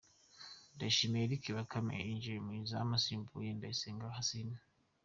Ndayishimiye Eric Bakame yinjiye mu izamu asimbuye Ndayisenga Kassim.